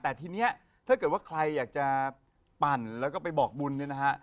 แต่ทีนี้ถ้าเกิดว่าใครอยากจะปั่นแล้วก็ไปบอกบุญเนี่ยนะฮะ